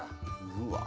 うわ。